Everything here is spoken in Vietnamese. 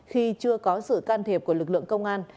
khi chưa có sự can thiệp của lực lượng công an